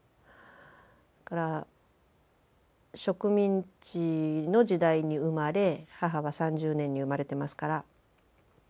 から植民地の時代に生まれ母は３０年に生まれてますから１９３０年。